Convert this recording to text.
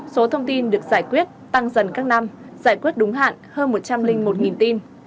số thông tin được giải quyết tăng dần các năm giải quyết đúng hạn hơn một trăm linh một tin